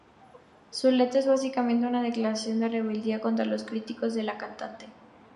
Su letra es básicamente una declaración de rebeldía contra los críticos de la cantante.